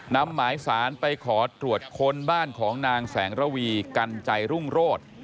นำหมายสารไปขอตรวจค้นบ้านของนางแสงระวีกันใจรุ่งโรธ